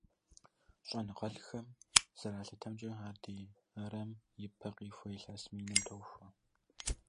Щӏэныгъэлӏхэм зэралъытэмкӏэ, ар ди эрэм и пэ къихуэ илъэс миным тохуэ.